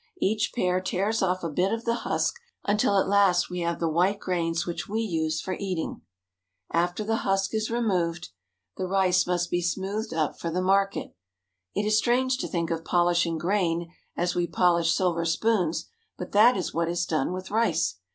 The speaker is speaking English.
Each pair tears off a bit of the husk, until at last we have the white grains which we use for eating. After the husk is removed, the rice must be smoothed up for the market. It is strange to think of polishing grain as we polish silver spoons, but that is what is done with rice.